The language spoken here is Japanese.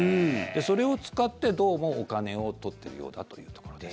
それを使って、どうもお金を取っているようだというところです。